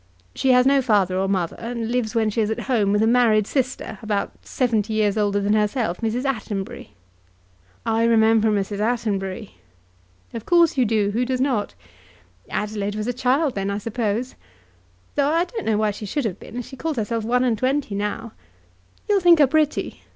She has no father or mother, and lives when she is at home with a married sister, about seventy years older than herself, Mrs. Attenbury." "I remember Mrs. Attenbury." "Of course you do. Who does not? Adelaide was a child then, I suppose. Though I don't know why she should have been, as she calls herself one and twenty now. You'll think her pretty.